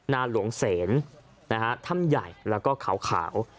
นาหลวงเสนถ้ำใหญ่แล้วก็ขาว